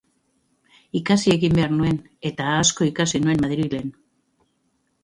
Ikasi egin behar nuen, eta asko ikasi nuen Madrilen.